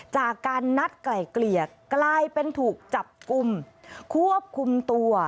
จากการนัดไกล่เกลี่ยกลายเป็นถูกจับกลุ่มควบคุมตัว